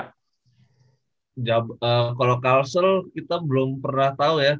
kalo kassel kita belum pernah tau ya